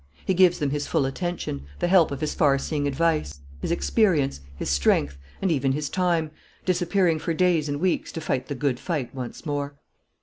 He gives them his full attention, the help of his far seeing advice, his experience, his strength, and even his time, disappearing for days and weeks to fight the good fight once more.